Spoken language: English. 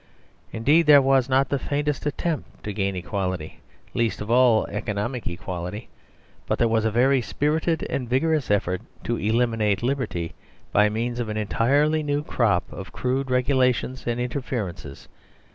Indeed, there was not the faintest attempt to gain equality, least of all economic equality. But there was a very spirited and vigorous effort to eliminate liberty, by means of an entirely new crop of crude regulations and interferences.